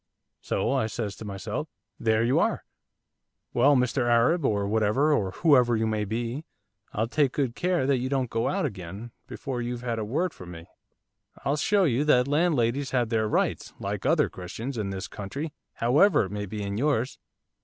'"So," I says to myself, "there you are. Well, Mr Arab, or whatever, or whoever, you may be, I'll take good care that you don't go out again before you've had a word from me. I'll show you that landladies have their rights, like other Christians, in this country, however it may be in yours."